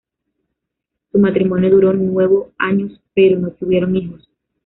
Su matrimonio duró nuevo años pero no tuvieron hijos.